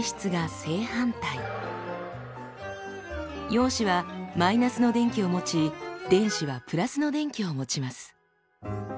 陽子はマイナスの電気を持ち電子はプラスの電気を持ちます。